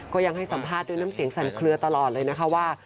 ยังให้สัมภาษณ์ด้วยน้ำเสียงสั่นเคลือตลอดเลยนะคะว่า